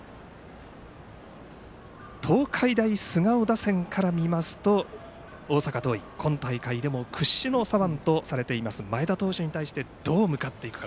東海大菅生打線から見ますと大阪桐蔭、今大会でも屈指の左腕とされています前田投手に対してどう向かっていくか。